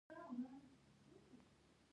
افغانستان د د کلیزو منظره کوربه دی.